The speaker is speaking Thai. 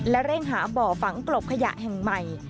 และเร่งหาบ่อฝังกลบขยะแห่งใหม่